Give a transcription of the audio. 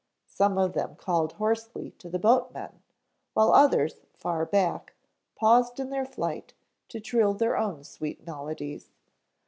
Some of them called hoarsely to the boatmen, while others, far back, paused in their flight to trill their own sweet melodies.